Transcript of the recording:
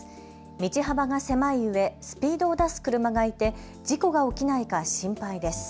道幅が狭いうえスピードを出す車がいて事故が起きないか心配です。